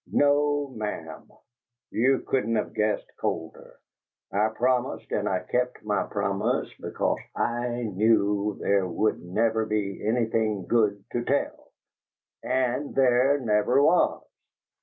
"NO, ma 'am! You couldn't of guessed colder. I promised, and I kept my promise, because I knew there would never be anything good to tell! AND THERE NEVER WAS!"